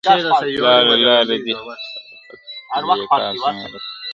• لاري لاري دي ختليقاسم یاره تر اسمانه,